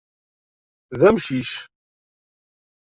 D amcic.